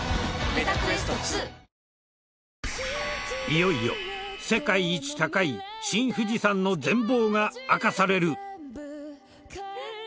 いよいよ世界一高い新富士山の全貌が明かされる！